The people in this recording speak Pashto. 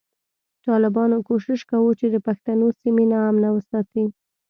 ټالبانو کوشش کوو چی د پښتنو سیمی نا امنه وساتی